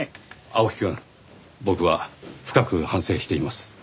青木くん僕は深く反省しています。